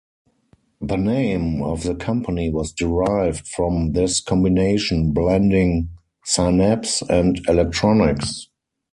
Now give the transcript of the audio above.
The name of the company was derived from this combination, blending "synapse" and "electronics".